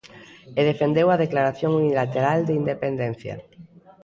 E defendeu a declaración unilateral de independencia.